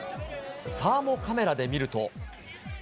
サーモカメラで見ると。